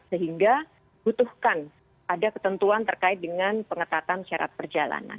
sehingga butuhkan ada ketentuan terkait dengan pengetatan syarat perjalanan